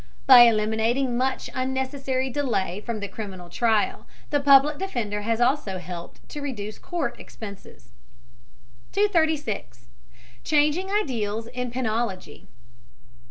By eliminating much unnecessary delay from the criminal trial, the Public Defender has also helped to reduce court expenses. 236. CHANGING IDEALS IN PENOLOGY.